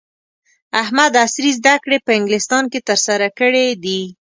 احمد عصري زده کړې په انګلستان کې ترسره کړې دي.